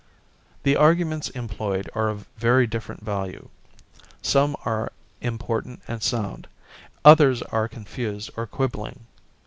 The arguments employed are of very different value: some are important and sound, others are confused or quibbling.